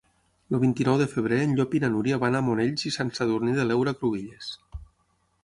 El vint-i-nou de febrer en Llop i na Núria van a Monells i Sant Sadurní de l'Heura Cruïlles.